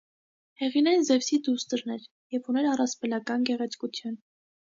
Հեղինեն Զևսի դուստրն էր և ուներ առասպելական գեղեցկություն։